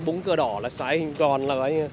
búng cơ đỏ là sai tròn là coi như là